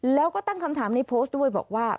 แล้วก็ตั้งคำถามในโพสต์ด้วยบอกว่า